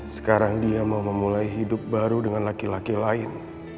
sekarang dia mau memulai hidup baru dengan laki laki lain